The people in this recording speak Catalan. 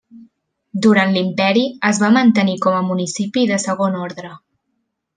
Durant l'imperi, es va mantenir com a municipi de segon ordre.